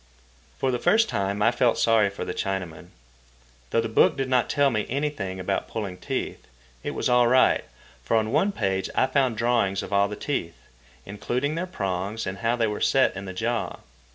For the first time I felt sorry for the Chinaman. Though the book did not tell me anything about pulling teeth, it was all right, for on one page I found drawings of all the teeth, including their prongs and how they were set in the jaw.